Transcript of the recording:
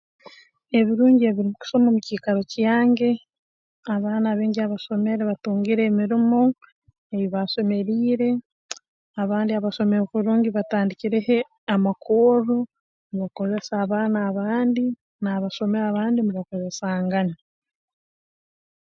Ebirungi ebiri mu kusoma mu kiikaro kyange abaana abaingi abasomere batungire emirimo ei baasomeriire abandi abasomere kurungi batandikireho amakorro n'okukozesa abaana abandi n'abasomere abandi nibakozesangana